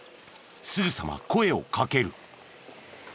すぐさま声をかける。